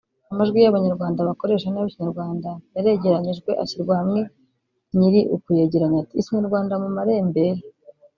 Amajwi y’ Abanyarwanda bakoresha nabi Ikinyarwanda yaregeranyijwe ashyirwa hamwe nyiri ukuyegeranya ati ‘Ikinyarwanda mu marembera’